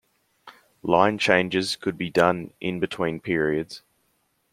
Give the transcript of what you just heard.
Line changes could be done in between periods.